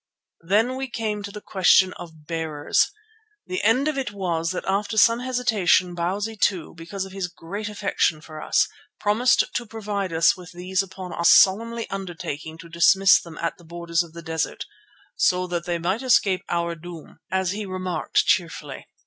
Then we came to the question of bearers. The end of it was that after some hesitation Bausi II, because of his great affection for us, promised to provide us with these upon our solemnly undertaking to dismiss them at the borders of the desert, "so that they might escape our doom," as he remarked cheerfully.